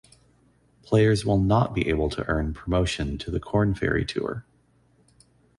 Players will not be able to earn promotion to the Korn Ferry Tour.